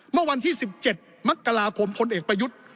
เมื่อวันที่๑๗มกราคมพลเอกประยุทธ์